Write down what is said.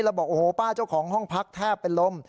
แล้วบอกโอ้โหป้าเจ้าของห้องพักแทบเป็นลม